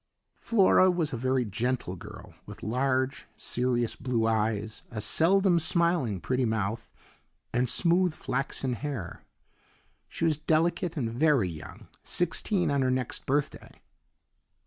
Flora was a very gentle girl, with large, serious blue eyes, a seldom smiling, pretty mouth, and smooth flaxen hair. She was delicate and very young sixteen on her next birthday.